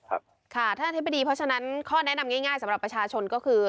ท่านอธิบดีเพราะฉะนั้นข้อแนะนำง่ายสำหรับประชาชนก็คือ